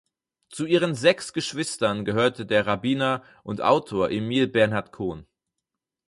Zu ihren sechs Geschwistern gehörte der Rabbiner und Autor Emil Bernhard Cohn.